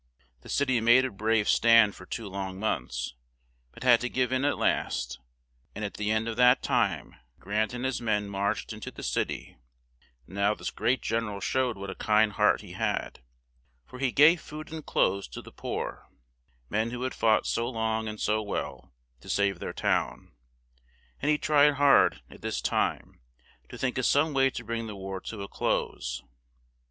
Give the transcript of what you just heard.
The cit y made a brave stand for two long months; but had to give in at last, and at the end of that time Grant and his men marched in to the cit y; now this great gen er al showed what a kind heart he had, for he gave food and clothes to the poor men who had fought so long and so well, to save their town; and he tried hard, at this time, to think of some way to bring the war to a close.